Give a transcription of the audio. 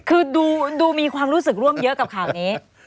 คือดูมีความรู้สึกร่วมเยอะกับข่าวนี้